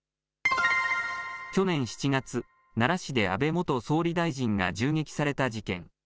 去年７月奈良市で安倍元総理大臣が銃撃された事件。